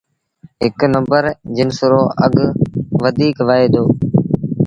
هڪ نمبر جنس رو اگھ وڌيٚڪ وهئي دو۔